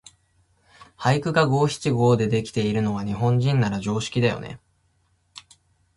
俳句が五七五でできているのは、日本人なら常識だよね。